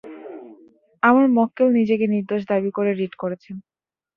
আমার মক্কেল নিজেকে নির্দোষ দাবি করে রিট করেছেন।